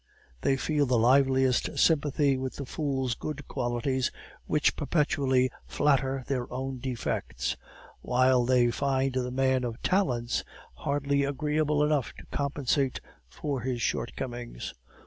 They feel the liveliest sympathy with the fool's good qualities, which perpetually flatter their own defects; while they find the man of talent hardly agreeable enough to compensate for his shortcomings.